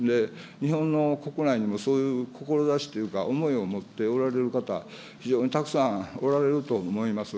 日本の国内にも、そういう志というか、思いを持っておられる方、非常にたくさんおられると思います。